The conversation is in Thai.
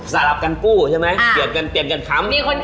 สารับกันกู้ใช่ไหมเปลี่ยนกันค้ำ